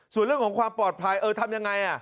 ส่วนเรื่องของความปลอดภัยทำอย่างไร